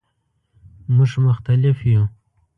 مونږ مختلف یو